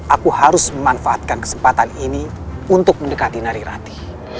aku harus memanfaatkan kesempatan ini untuk mendekati narirati